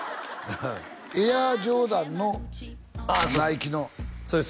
エアジョーダンのナイキのああそうです